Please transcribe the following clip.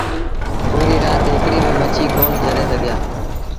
پوريٚ رآت هڪڙيٚ با مڇيٚ ڪون جھلي سگھيآ۔